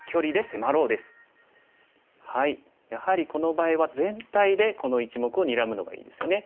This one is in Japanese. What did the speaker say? やはりこの場合は全体でこの１目をにらむのがいいんですよね。